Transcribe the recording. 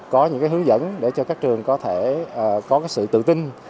có những hướng dẫn để cho các trường có sự tự tin